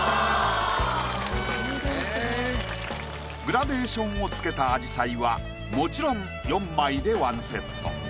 グラデーションを付けた紫陽花はもちろん４枚で１セット。